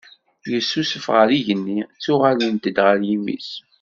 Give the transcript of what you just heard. Yessusuf ɣer yigenni ttuɣalent-d ɣer yimi-s